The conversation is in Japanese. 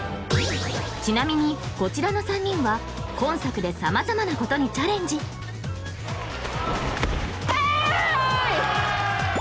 ちなみにこちらの３人は今作で様々なことにチャレンジエーイ！